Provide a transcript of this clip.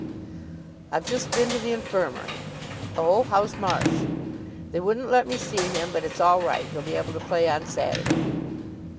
"I've just been to the Infirmary." "Oh. How's Marsh?" "They wouldn't let me see him, but it's all right. He'll be able to play on Saturday."